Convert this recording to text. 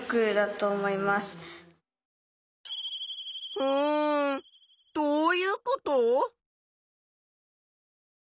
うんどういうこと？